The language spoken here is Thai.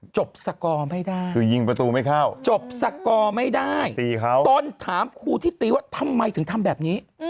จบสกอไม่ได้จบสกอไม่ได้ตอนถามครูที่ตีว่าทำไมถึงทำแบบนี้